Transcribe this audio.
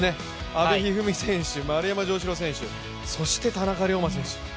阿部一二三選手、丸山城志郎選手、そして田中龍馬選手。